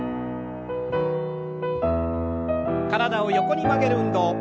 体を横に曲げる運動。